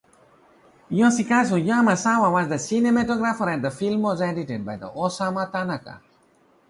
Yoshikazu Yamasawa was the cinematographer, and the film was edited by Osamu Tanaka.